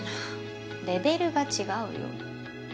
レベルが違うよ。